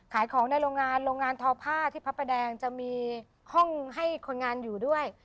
ขายของในโรงงานโรงงานทอผ้าที่พระประแดงจะมีห้องให้คนงานอยู่ด้วย